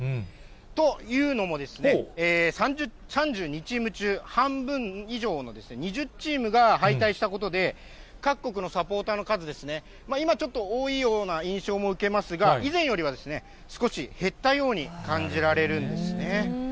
というのもですね、３２チーム中、半分以上の２０チームが敗退したことで、各国のサポーターの数ですね、今ちょっと多いような印象も受けますが、以前よりは少し減ったように感じられるんですね。